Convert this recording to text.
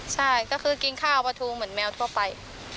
ใช่ก็คือกินข้าวปลาทูเหมือนแมวทั่วไป